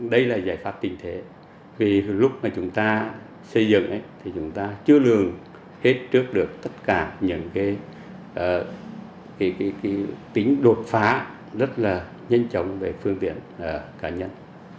đây là giải pháp tình thế vì lúc mà chúng ta xây dựng thì chúng ta chưa lường hết trước được tất cả những tính đột phá rất là nhanh chóng về phương tiện cá nhân